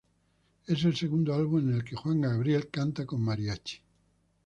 Es el segundo álbum en el que Juan Gabriel canta con Mariachi.